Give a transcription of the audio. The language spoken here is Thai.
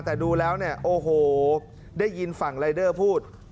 แต่ดูแล้วเนี่ยโอ้โหได้ยินฝั่งรายเดอร์พูด